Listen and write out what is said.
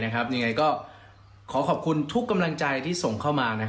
ยังไงก็ขอขอบคุณทุกกำลังใจที่ส่งเข้ามา